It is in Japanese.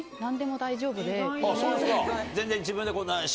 そうですか全然。